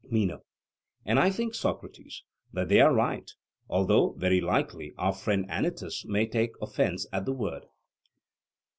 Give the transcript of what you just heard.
MENO: And I think, Socrates, that they are right; although very likely our friend Anytus may take offence at the word.